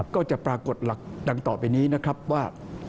ก็จะปรากฏหลักดังต่อไปนี้นะครับว่า